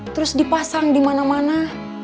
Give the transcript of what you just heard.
terus dipasang di mana mana